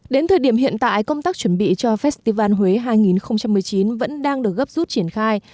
đến thời điểm hiện tại công tác chuẩn bị cho festival huế hai nghìn một mươi chín vẫn đang được gấp rút triển khai